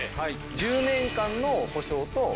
１０年間の保証と。